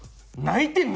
泣いてよ！